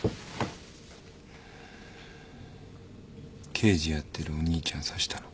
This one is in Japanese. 刑事やってるお兄ちゃん刺したの？